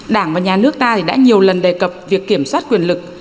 đảng và nhà nước ta đã nhiều lần đề cập việc kiểm soát quyền lực